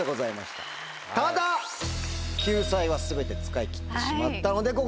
ただ救済は全て使い切ってしまったので。